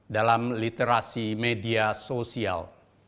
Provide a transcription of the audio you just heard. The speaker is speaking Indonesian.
dalam literasi media sosial